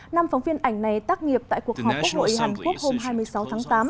năm phóng viên ảnh này tác nghiệp tại cuộc họp quốc hội hàn quốc hôm hai mươi sáu tháng tám